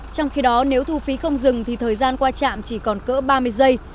trong khi đó nếu thu phí không dừng thì thời gian qua chạm chỉ còn cỡ ba mươi giây